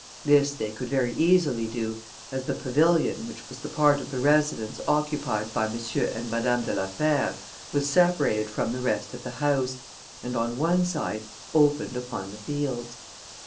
This they could very easily do, as the pavilion, which was the part of the residence occupied by M. and Madame de la Fère, was separated from the rest of the house, and on one side opened upon the fields.